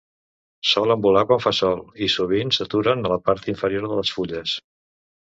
Solen volar quan fa sol i sovint s'aturen a la part inferior de les fulles.